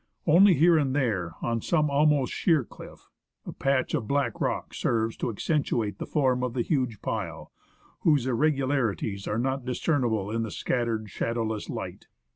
Only here and there, on some almost sheer cliff, a patch of black rock serves to accentuate the form of the huge pile, whose irregularities are not discernible in the scattered, shadow less light.